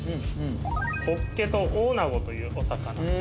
ホッケとオオナゴというお魚。